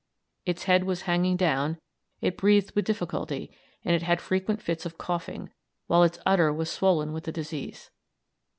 'Its head was hanging down; it breathed with difficulty, and it had frequent fits of coughing; while its udder was swollen with the disease.'